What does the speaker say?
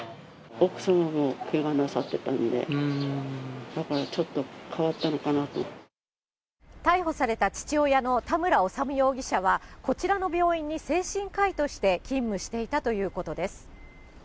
奥様もけがなさってたんで、だから、逮捕された父親の田村修容疑者は、こちらの病院に精神科医として勤務していたということです。